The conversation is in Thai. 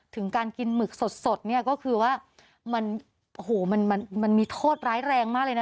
ถึงการกินหมึกสดก็คือว่ามันมีโทษร้ายแรงมากเลยนะ